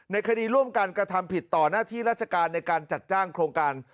คดีร่วมกันกระทำผิดต่อหน้าที่ราชการในการจัดจ้างโครงการ